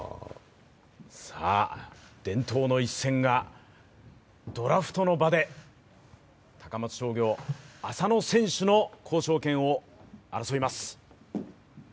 さあ、伝統の一戦がドラフトの場で高松商業・浅野選手の交渉権を争います。